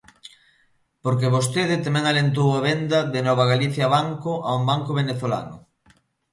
Porque vostede tamén alentou a venda de Novagalicia Banco a un banco venezolano.